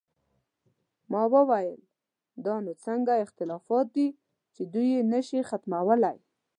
ما وویل: دا نو څنګه اختلافات دي چې دوی یې نه شي ختمولی؟